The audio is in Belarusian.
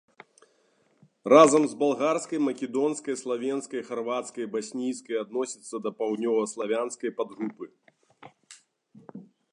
Разам з балгарскай, македонскай, славенскай, харвацкай і баснійскай адносіцца да паўднёваславянскай падгрупы.